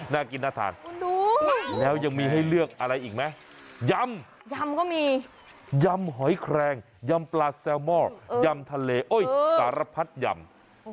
น่ากินน่าทานแล้วยังมีให้เลือกอะไรอีกไหมยำยำก็มียำหอยแครงยำปลาแซลมอลยำทะเลโอ้ยสารพัดยำ